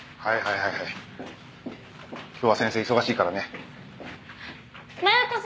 はいはいはいはい。